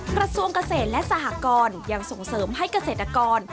กระทรวงเกษตรและสหกรยังส่งเสริมให้เกษตรกร